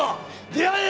出会え！